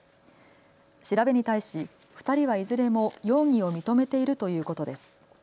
調べに対し２人はいずれも容疑を認めているということです。